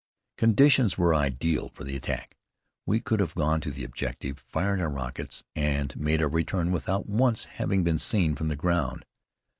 Conditions were ideal for the attack. We could have gone to the objective, fired our rockets, and made our return, without once having been seen from the ground.